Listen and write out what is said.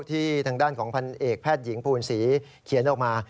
ทางด้านของพันเอกแพทย์หญิงภูนศรีเขียนออกมา